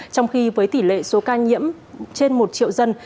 trong khi với tỷ lệ số ca nhiễm trên một triệu dân